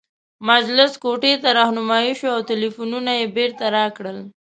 مجلس کوټې ته رهنمايي شوو او ټلفونونه یې بیرته راکړل.